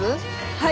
はい。